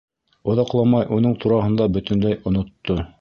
Оҙаҡламай уның тураһында бөтөнләй онотто.